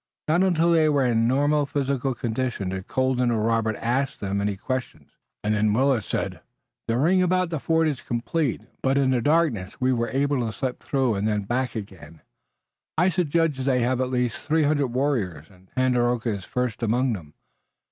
Not until they were in a normal physical condition did Colden or Robert ask them any questions and then Willet said: "Their ring about the fort is complete, but in the darkness we were able to slip through and then back again. I should judge that they have at least three hundred warriors and Tandakora is first among them.